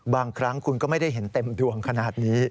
บางครั้งคุณก็ไม่ได้เห็นเต็มดวงขนาดนี้